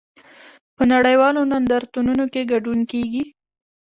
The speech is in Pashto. په نړیوالو نندارتونونو کې ګډون کیږي